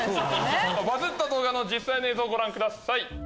バズった動画の実際の映像ご覧ください。